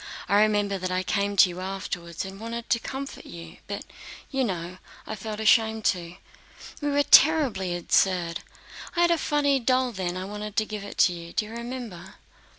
"I remember that I came to you afterwards and wanted to comfort you, but do you know, I felt ashamed to. We were terribly absurd. I had a funny doll then and wanted to give it to you. Do you remember?"